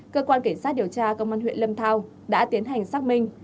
cơ quan cảnh sát điều tra công an huyện lâm thao đã tiến hành xác minh